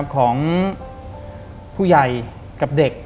ของผู้ใหญ่กับเด็ก